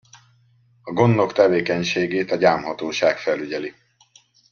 A gondnok tevékenységét a gyámhatóság felügyeli.